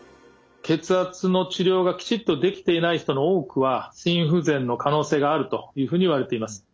血圧の治療がきちっとできていない人の多くは心不全の可能性があるというふうにいわれています。